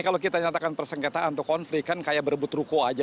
kalau kita nyatakan persengketaan atau konflik kan kayak berebut ruko aja